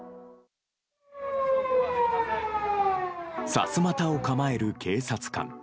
さすまたを構える警察官。